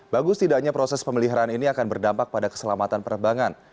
bagus tidaknya proses pemeliharaan ini akan berdampak pada keselamatan penerbangan